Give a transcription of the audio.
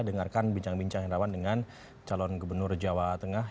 dengarkan bincang bincang hendrawan dengan calon gubernur jawa tengah